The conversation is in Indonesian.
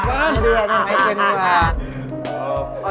lo dia yang ngehajain gue